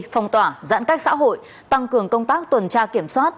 phong tỏa giãn cách xã hội tăng cường công tác tuần tra kiểm soát